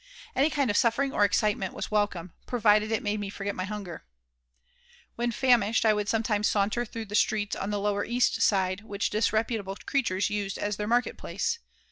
Any kind of suffering or excitement was welcome, provided it made me forget my hunger When famished I would sometimes saunter through the streets on the lower East Side which disreputable creatures used as their market place.